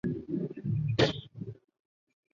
绿色变齿藓为木灵藓科变齿藓属下的一个种。